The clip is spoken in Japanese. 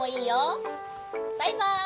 バイバイ。